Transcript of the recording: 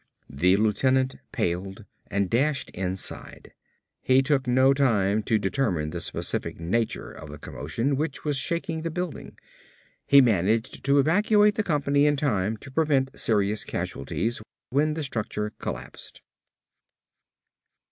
The lieutenant paled and dashed inside. He took no time to determine the specific nature of the commotion which was shaking the building. He managed to evacuate the company in time to prevent serious casualties when the structure collapsed.